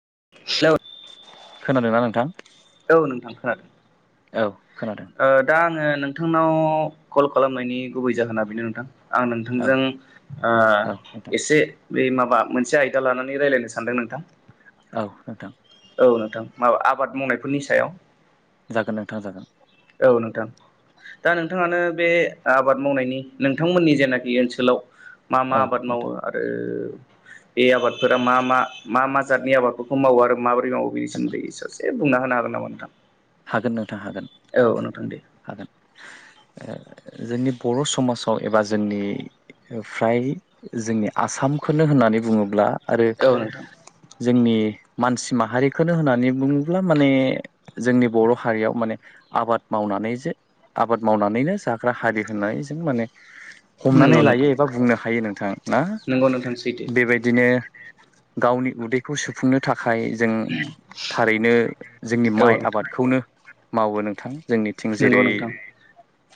[unintelligible] खोनादोंना नोंथां औ नोंथां खोनादों औ खोनादों ओ दा आङो नोंथांनाव कल खालामनायनि गुबै जाहोना बेनो नोंथां आं औ नोंथांजों ओ औ नोंथां एसे बे माबा मोनसे आयदा लानानै रायलायनो सानदों नोंथां औ नोंथां औ नोंथां मा आबाद मावनायफोरनि सायाव जागोन नोंथां जागोन औ नोंथां दा नोंथाङानो बे आबाद मावनायनि नोंथांमोननि जेनाखि ओनसोलाव मा मा औ आबाद मावो नोंथां आरो बे आबादफोरा मा मा मा मा जातनि आबादफोरखौ मावो आरो माबोरै मावो बेनि जागोन सोमोन्दै सासे बुंना होनो हागोन नामा नोंथां हागोन नोंथां हागोन औ नोंथां दे हागोन जोंनि बर' समाजाव एबा जोंनि फ्राय जोंनि आसामखौनो होननानै बुङोब्ला आरो औ नोंथां जोंनि मानसि माहारिखौनो होननानै बुङोब्ला माने जोंनि बर' हारियाव माने आबाद मावनानै जे आबाद मावनानैनो जाग्रा हारि होननानै जों माने हमनानै नंगौ लायो नोंथां एबा बुंनो हायो नोंथां ना नंगौ नोंथां सैथो बेबायदिनो गावनि उदैखौ सुफुंनो थाखाय जों थारैनो जोंनि औ माइ आबाद नोंथां मावो नोंथां जोंनिथिं नंगौ जेरै नोंथां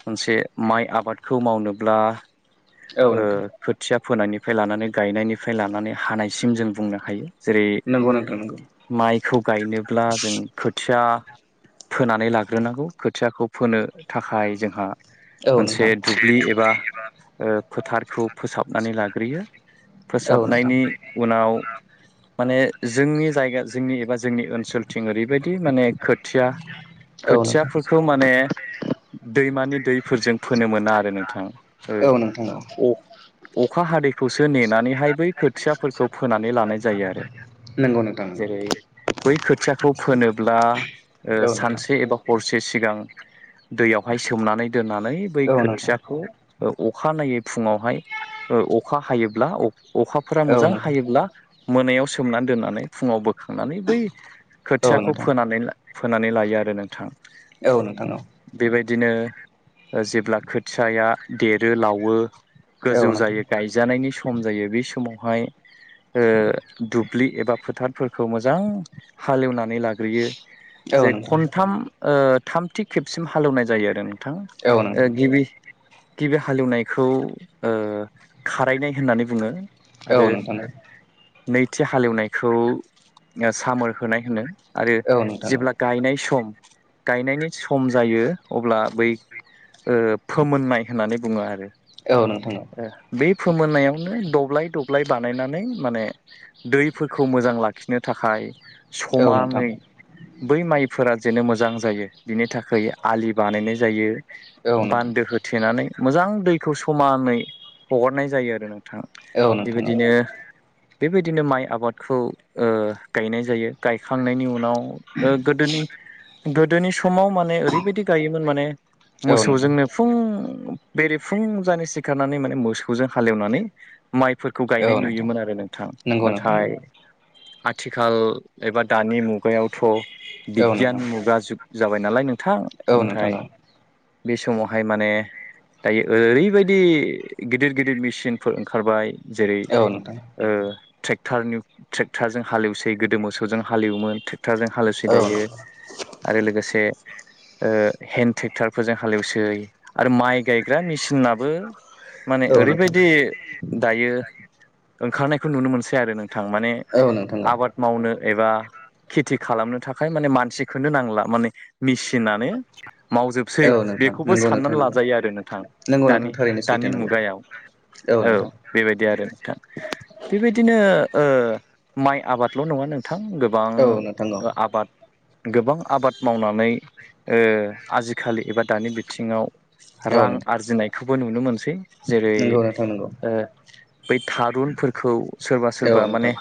मोनसे माइ आबादखौ मावनोब्ला औ नोंथां खोथिया फोनायनिफ्राय लानानै गायनायनिफ्राय लानानै हानायसिम जों बुंनो हायो जेरै नंगौ नोंथां नंगौ माइखौ गायनोब्ला जों खोथिया फोनानै लाग्रोनांगौ खोथियाखौ फोनो थाखाय जोंहा औ मोनसे नोंथां दुब्लि एबा फोथारखौ फोसाबनानै लाग्रोयो औ नोंथां फोसाबनायनि उनाव माने जोंनि जायगा जोंनि एबा जोंनि ओनसोलथिं ओरैबायदि माने खोथिया [unintelligible] नोंथां खोथियाफोरखौ माने दैमानि दैफोरजों फोनो मोना आरो नोंथां औ नोंथां औ ओ अ अखा हादैखौसो नेनानैहाय बै खोथियाफोरखौ फोनानै लानाय जायो आरो नंगौ नोंथां जेरै बै खोथियाखौ फोनोब्ला औ नोंथां सानसे एबा हरसे सिगां दैयावहाय सोमनानै दोननानै बै औ नोंथां खोथियाखौ अखा नायै फुङावहाय अखा हायोब्ला अखाफोरा औ मोजां नोंथां हायोब्ला मोनायाव सोमनानै दोननानै फुङाव बोख खांनानै बै औ खोथियाखौ नोंथां फोनानै फोनानै लायो आरो नोंथां औ नोंथां औ बिदिनो जेब्ला खोथियाया देरो लावो औ गोजौ जायो नोंथां गायजानायनि सम जायो बे समाव दुब्लि एबा फोथारफोरखौ मोजां हालेवनानै लाग्रोयो औ नोंथां औ नोंथां औ जे नोंथां खनथाम थामथि खेबसिम हालेवनाय जायो आरो थां औ नोंथां औ नोंथां गिबि गिबि हालेवनायखौ खारायनाय होननानै बुङो आरो औ नोंथां नैथि हालेवनायखौ सामोर होनाय होनो आरो जेब्ला गायनाय सम गायनायनि सम जायो अब्ला बै फोमोननाय होननानै बुङो आरो औ नोंथां औ बे फोमोननायावनो दब्लाय दब्लाय बानायनानै माने दैफोरखौ मोजां लाखिनो थाखाय समानै बै माइफोरा जेनो मोजां जायो बिनि थाखाय आलि बानायनाय जायो बान्दो होथेनानै मोजां दैखौ समानै हगारनाय जायो आरो ना बेबायदिनो बेबायदिनो माइ आबादखौ गायनाय जायो गायखांनायनि उनाव गोदोनि गोदोनि समाव माने ओरैबायदि गायोमोन माने औ नोंथां मोसौजोंनो फुं बेरेफुं जानि सिखारनानै माने मोसौजों हालेवनानै माइफोरखौ गायनाय औ नोंथां नुयोमोन आरो नोंथां नंगौ नोंथां नाथाय आथिखाल एबा दानि मुगायावथ' औ बिगियान नोंथां मुगा जुग जाबाय नालाय नों गोथां औ नोंथां ओमफ्राय बे समावहाय माने दायो ओरैबायदि गिदिर गिदिर मेचिनफोर ओंखारबाय जेरै औ नोंथां ओ ट्रेक्टार ट्रेक्टारजों हालेवसै गोदो मोसौजों हालेवोमोन ट्रारजों हालौसै औ नोंथां दायो आरो लोगोसे हेन्द ट्रेक्टार फोरजों हालेवसै आरो माइ गायग्रा मेचिन होननाबो माने औ नोंथां ओरैबायदि दायो ओंखारनायखौ नुनो मोनसै आरो नोंथां माने औ नोंथां आबाद मावनो एबा खेथि खालामनो थाखाय माने मानसिखौनो नांला माने मेसिनानो मावजोबसै औ नोंथां बेखौबो नंगौ नोंथां साननानै नंगौ लाजायो आरो नोंथां नंगौ नोंथां दानि थारैनो सैथो दानि नंगौ मुगायाव औ बेबायदि आरो नोंथां बेबायदिनो ओ माइ आबादल' नङा नोंथां गोबां औ नोंथां औ आबाद गोबां आबाद मावनानै ओ आजिखालि एबा दानि बिथिङाव औ रां नोंथां आरजिनायखौबो नुनो मोनसै जेरै नंगौ नोंथां नंगौ ओ बै थारुनफोरखौ सोरबा औ सोरबा माने नोंथां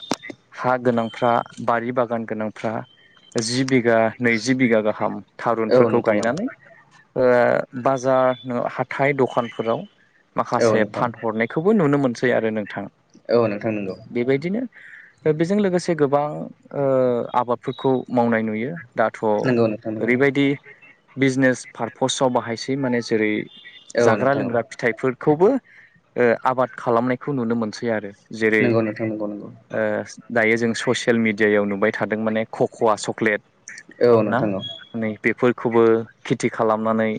हा गोनांफ्रा बारि बागान गोनां फ्रा जि बिघा नैजि बिघा गाहाम औ थारुनफोरखौ नोंथां गायनानै ओ बाजार नो हाइ दखानफोराव औ माखासे नोंथां फान हरनायखौबो नुनो मोनसै आरो नोंथां औ नोंथां नंगौ बेबायदिनो बेजों लोगोसे गोबां ओ आबादफोरखौ मावनाय नुयो दाथ' नंगौ नोंथां नंगौ ओरैबायदि बिजनेस पारपसाव बाहायसै माने जेरै औ जाग्रा नोंथां औ लोंग्रा फिथाइफोरखौबो ओ आबाद खालामनायखौ नुनो मोनसै आरो जेरै नंगौ नोंथां नंगौ नंगौ ओ दायो जों ससियेल मिडियायाव नुबाय थादों माने कक'वा चक्लेट औ ना नोंथां औ नै बेफोरखौबो खेथि खालामनानै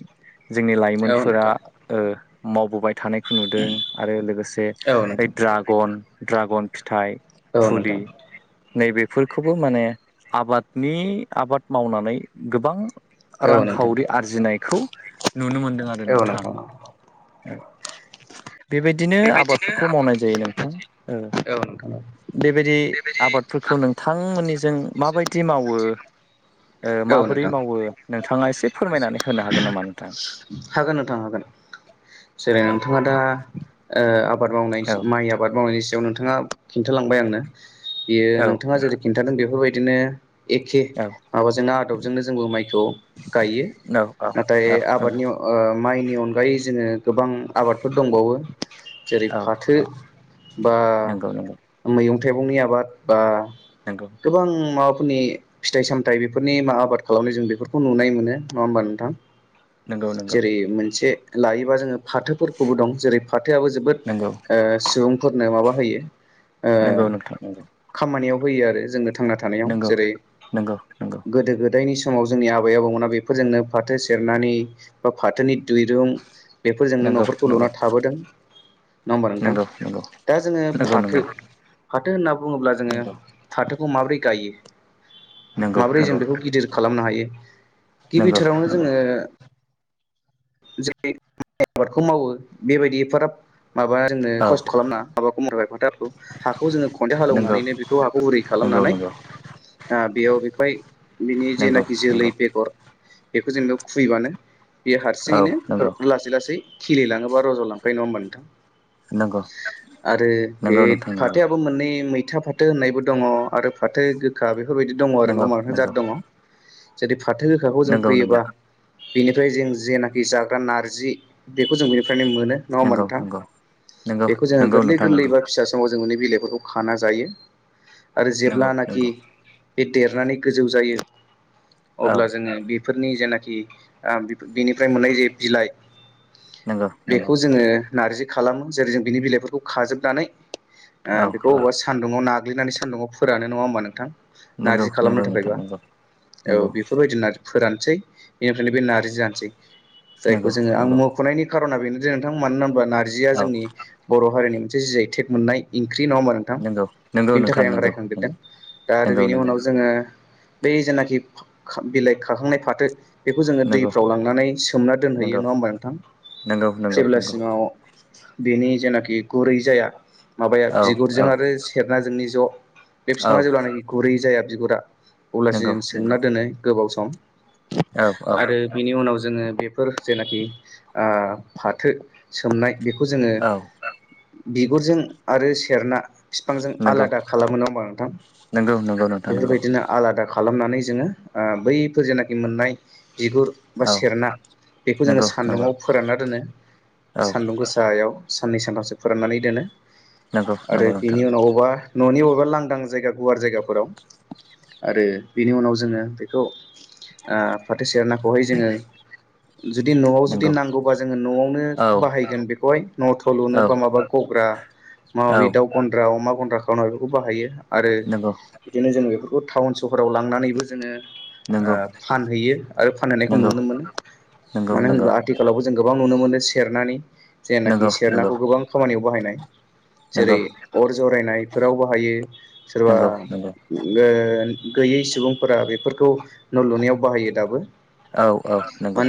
जोंनि औ लाइमोनफोरा नोंथां ओ मावबोबाय थानायखौ नुदों आरो लोगोसे औ ओइ नोंथां ड्रागन ड्रागन फिथाइ औ नोंथां औ नोंथां औ फुलि नोंथां नैबे खौबो माने आबादनि आबाद मावनानै गोबां औ नोंथां रांखावरि आरजिनायखौ नुनो मोनदों आरो नोंथां बेबायदिनो आबादफोरखौ मावनाय जायो नोंथां बेबायदि आबादफोरखौ नोंथांमोननिजों माबायदि मावो औ माबोरै नोंथां मावो नोंथाङा एसे फोरमायनानै होनो हागोन नामा नोंथां हागोन नोंथां हागोन जेरै औ नोंथाङा दा ओ आबाद मावनाय औ माइ आबाद मावनायनि सायाव नोंथाङा खिन्थालांबाय आंनो बियो नोंथाङा जेरै नोंथां खिन्थादों बेफोरबायदिनो एखे औ माबाजोंनो आदबजोंनो जोंबो माइखौ गायो नाथाय आबादनि माइनि अनगायै जोङो गोबां आबादफोर दंबावो जेरै औ फाथो बा नंगौ औ मैं थाइगंनि आबाद बा नंगौ गोबां माबा फोरनि फिथाइ सामथाइ बेफोरनि मा आबाद खालामनाय जों बेफोरखौ नुनाय मोनो नङा होमबा नोंथां नंगौ नंगौ जेरै मोनसे लायोबा जोङो फाथोफोरखौबो दं जे फाथोआबो जोबोद नंगौ नंगौ ओ सुबुंफोरनो माबा होयो ओ नंगौ नोंथां नंगौ खामानियाव होयो आरो जोङो थांना थानायाव नंगौ जेरै नंगौ नंगौ गोदो गोदायनि सम समाव जोंनि आबै आबौमोना बेफोरजोंनो फाथो सेरनानै बा फाथोनि दुइरुं बेफोरजोंनो नंगौ न'खरखौ नंगौ लुना थाबोदों नङा होमबा नोंथां नंगौ नंगौ दा जोङो नंगौ फाथो नंगौ फाथो होनना बुङोब्ला जोङो नंगौ फाथोखौ माबोरै गायो नंगौ माब्रै जों नंगौ बेखौ गिदिर खालामनो हायो गिबिथोरावनो नंगौ जोङो ज आबादखौ मावो बेबायदिफाराब [unintelligible] माबा जोंनो औ खस्थ' खालामना हाबाखौ मबाय फथारखौ हाखौ जोङो खन्थाइ हालेवनानैनो बेखौ हाखौ बोरै खालाम नोंगौ नंगौ ओ बेयाव बेहाय बिनि नंगौ जेनाखि जोलै नंगौ बेगर बेखौ जेनबा खुबैबानो बेयो औ हारसिङैनो नंगौ लासै लासै खिलिलाङोबा रज'लांखायो नङा होनबा नोंथां नंगौ आरो बे नंगौ नोंथां नंगौ फाथथायाबो मोननै मै फैथा फाथो होननायबो दङ आरो फाथो गोखा बेफोरबायदि दङ आरो न' नंगौ म जाद नंगौ दङ जेर फाथो गोखाखौ जों नंगौ नंगौ फैयोबा बेनिफ्राय जों जेनाखि जाग्रा नारजि बेखौ जों बेनिफ्रायनो मोनो नङा होमा नंगौ नोंथां नंगौ नंगौ बेखौ जोङो नंगौ गोरलै नोंथां गोरलै नंगौ बा फिसा समाव जोंनि बिलाइफोरखौ खाना जायो आरो नंगौ जेब्लानाखि नंगौ बे देरनानै गोजौ जायो औ अब्ला जोङो बेफोरनि जेनाखि ओ बेनिफ्राय मोननाय जे बिलाइ नंगौ नंगौ खौ जोङो नार्जि खालामो जेरै जों बिनि बिलाइफोरखौ खाजोबनानै ओ औ बेखौ औ अबेबा सान्दुुंआव नाग्लिनानै सान्दुङाव फोरानो नङा होमबा नोंथां नंगौ नारजि खालामनो नंगौ नोंथां थाखायबा नंगौ नंगौ औ बेफोरबायदि नारजि फोरानसै बेनिफ्रायनो बे नारजि जानोसै जायखौ नंगौ जोङो आं नंगौ मख'नायनि खारना बेनो जे नोंथां मानो होनब्ला्ला नारजिया औ जोंनि बर' हारिनि मोनसे जि जैटेग मोननाय ओंख्रि नङा होनबा नोंथां नंगौ नंगौ बिनि नोंथां थाखाय आं नंगौ रायखांदेरदों दा नंगौ आरो बेनि नंगौ उनाव जोङो बै जेनाखि बिलाइ खाखांनाय फाथो बेखौ जोङो नंगौ दैफ्राव लांनानै सोमना दोनहैयो नंगौ नङा होमबा नोंथां नंगौ नंगौ नंगौ अब्लासिमाव बेनि जेनाखि गुरै जाया माबाया औ औ बिगुरजों आरो सेरना जोंनि ज' बे औ बिफाङा जेब्लानाखि गुरै जाया बिगुरा अब्लासो नंगौ जों नंगौ सोंना दोनो गोबाव सम औ आरो बिनि उनाव जों जोङो बेफोर जेनाखि ओ फाथो सोमनाय बेखौ जोङो औ औ बिगुरजों आरो सेरना बिफांजों नंगौ आलादा खालामो ना होमबा नोंथां नंगौ नंगौ नोंथां नंगौ बेफोरबायदिनो आलादा खालामनानै जोङो ओ बैफोर जेनाखि मोननाय बिगुर बा औ सेरना बेखौ जोङो नंगौ नंगौ सान्दुंङाव फोरानना दोनो औ सान्दुं गोसायाव साननै सानथामसो फोराननानै दोनो नंगौ आरो नंगौ नोंथां बेनि उनावबा न'नि बबेबा लांदां जायगा गुवार जायगाफोराव आरो बेनि उनाव जोङो बेखौ ओ फाथो सेरनाखौहाय जोङो जुदि न'आव जुदि नंगौ नांगौबा जोङो न'आवनो औ बाहायगोन बेखौहाय न' थ' लुनो औ बा माबा गग्रा औ माबि दाउ गन्द्रा अमा गन्द्रा खावना बेफोरखौ बाहायो आरो नंगौ बिदिनो जोङो बेफोरखौ टाउन सहराव लांनानैबो जोङो ओ नंगौ फानहैयो आरो फानहैनायखौ नंगौ नुनो मोनो नंगौ मानो नंगौ होनब्ला आथिखालावबो जों गोबां गोबां नुनो मोनो सेरनानि जेनाखि नंगौ नंगौ सेरनाखौ गोबां खामानियाव बाहायनाय जेरै नंगौ अर जरायनायफोराव बाहायो सोरबा नंगौ नंगौ गैयै सुबुंफोरा बेफोरखौ न' लुनायाव बाहायो दाबो औ औ नंगौ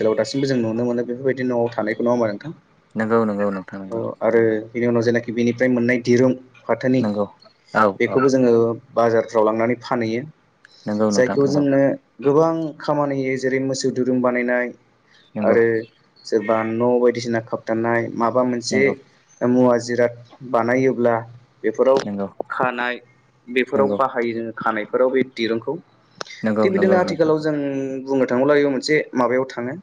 जोलाव दासिबो जों नुनो मोनो बेफोरबायदि न'आव थानाय नङा आरो नोंथां नोंगौ नोंगौ नोंथां नोंगौ बिनि उनाव जेनाखि बेनिफ्राय मोननाय दिरुं फाथोनि नंगौ औ औ बेखौबो जोङो बाजारफ्राव लांनानै फानहैयो नंगौ नोंथां जायखौ नंगौ जोंनो गोबां खामानि हो जेरै मोसौ दुरुं बानायनाय नंगौ आरो सोरबा न' बायदिसिना खाबथानाय माबा मोनसे नंगौ मुवा जिराद बानायोब्ला बेफोराव नंगौ खानाय बेफोराव नंगौ बाहायो जोङो खानायफोराव बे दिरुंखौ नंगौ थिग नोंथां बिदिनो नंगौ आथिखालाव जों बुंनो थाङोब्ला इयाव मोनसे माबायाव थाङो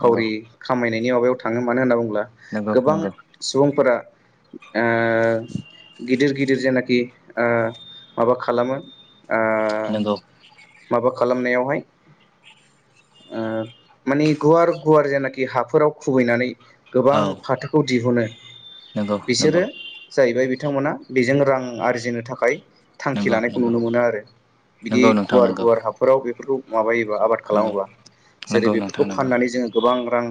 नंगौ खामायनायनि माबायाव थाङो मानो होनना बुं नंगौ गोबां नंगौ सुबुंफोरा ओ गिदिर गिदिर जेनाखि ओ माबा खालामो नंगौ माबा खालामनायावहाय ओ माने गुवार गुवार जेनाखि हाफोराव खुबैनानै गोबां औ फाथोखौ दिहुनो नंगौ बिसोरो नंगौ जाहैबाय बिथांमोना बेजों रां आरजिनो थाखाय थांखि नंगौ नंगौ लानायखौ नुनो मोनो आरो बिदि नंगौ नोंथां गुवार नंगौ गुवार हाफोराव बेफोरखौ माबायो आबाद नंगौ खालामोबा नंगौ जेरै नोंथां बेफोरखौ नंगौ फाननानै जों गोबां रां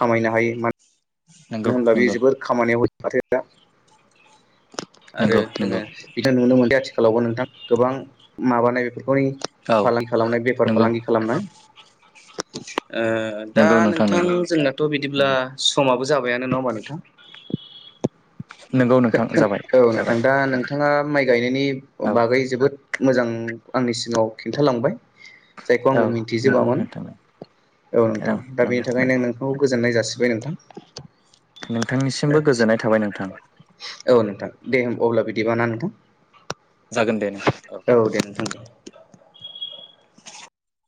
खामनो हायो मानो नंगौ होनब्ला बेयो नंगौ जोबोर खामानियाव [unintelligible] आरो नंगौ जोङो नंगौ बिदि नुनो मोनदों आथिखालावबो नोंथां गोबां माबानाय बेफोरखौ बेनि औ फालांगि खालामनाय बेफार नंगौ फालांगि खालामनाय ओ दा नंगौ नोंथां नंगौ जोंनाथ' बिदिब्ला नंगौ समाबो जाबायानो नङा होनबा नोंथां नंगौ नोंथां जाबाय औ जाबाय नोंथां दा नोंथाङा माइ गायनायनि औ बागै जोबोद मोजां आंनि सिमाव खिन्थालांबाय जायखौ औ आंबो नंगौ मिथिजोबामोन नोंथां औ नोंथां दा बेनि नंगौ थाखायनो नंगौ नोंखौ गोजोननाय जासि सिबाय नोंथां नोंथांनिसिमबो गोजोननाय थाबाय नोंथां औ नोंथां दे होम अब्ला बिदिबा ना नोंथां जागोन दे नोंथां औ दे नोंथां दे।